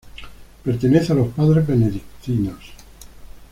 Pertenece a los Padres Benedictinos.